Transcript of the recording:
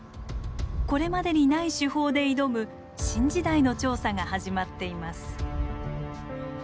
これまでにない手法で挑む新時代の調査が始まっています。